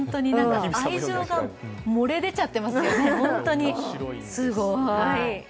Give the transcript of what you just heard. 愛情が漏れ出ちゃってますよね、ホントにすごい。